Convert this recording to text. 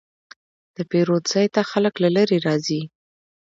د پیرود ځای ته خلک له لرې راځي.